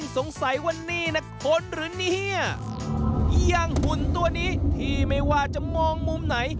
ที่ไม่ว่าจะมองมุมไหน